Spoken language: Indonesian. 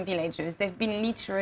di kawasan utama